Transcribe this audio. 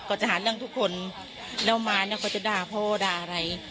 ก็จะหาเรื่องทุกคนแล้วมาก็จะด่าพ่อด่าอะไร